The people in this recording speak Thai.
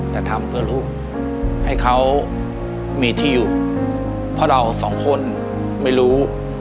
แต่ทำเพื่อลูกให้เขามีที่อยู่เพราะเราสองคนไม่รู้